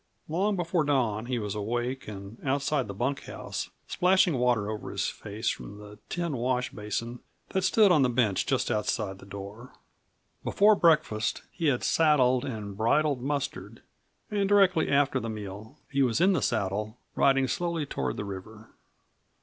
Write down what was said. Long before dawn he was awake and outside the bunkhouse, splashing water over his face from the tin wash basin that stood on the bench just outside the door. Before breakfast he had saddled and bridled Mustard, and directly after the meal he was in the saddle, riding slowly toward the river.